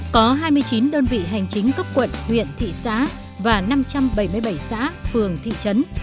có hai mươi chín đơn vị hành chính cấp quận huyện thị xã và năm trăm bảy mươi bảy xã phường thị trấn